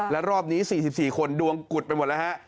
และรอบนี้๔๔คนดวงกุดไปหมดแล้วฮะ